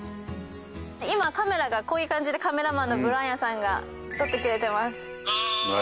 今カメラがこういう感じでカメラマンのブライアンさんが撮ってくれてます。